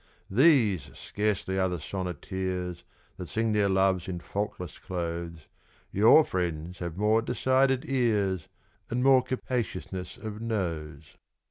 These scarcely are the sonneteers That sing their loves in faultless clothes: Your friends have more decided ears And more capaciousness of nose.